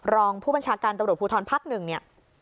รองผู้บัญชาการตำรวจภูทรภักดิ์๑เนี่ย